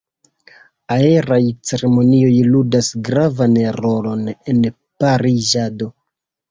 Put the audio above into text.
Aeraj ceremonioj ludas gravan rolon en pariĝado.